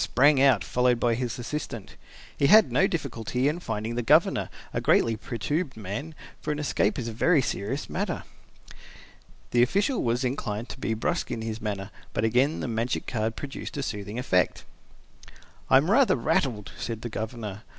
sprang out, followed by his assistant. He had no difficulty in finding the Governor, a greatly perturbed man, for an escape is a very serious matter. The official was inclined to be brusque in his manner, but again the magic card produced a soothing effect. "I am rather rattled," said the Governor.